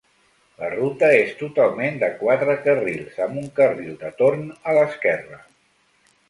La ruta és totalment de quatre carrils, amb un carril de torn a l'esquerra.